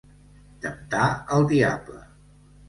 Temptar el diable.